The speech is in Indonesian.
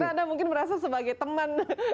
karena anda mungkin merasa sebagai teman